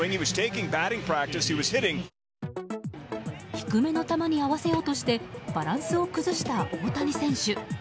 低めの球に合わせようとしてバランスを崩した大谷選手。